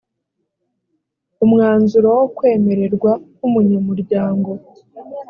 umwanzuro wo kwemererwa nk’umunyamuryango